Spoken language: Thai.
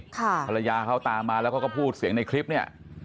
ภรรยาเขาตามมาแล้วเขาก็พูดเสียงในคลิปเนี่ย